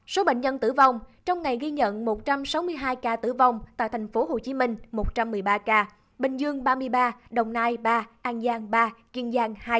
số bệnh nhân tử vong trong ngày ghi nhận một trăm sáu mươi hai ca tử vong tại thành phố hồ chí minh một trăm một mươi ba ca bình dương ba mươi ba đồng nai ba an giang ba kiên giang hai